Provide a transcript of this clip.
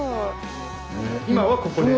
今はここで。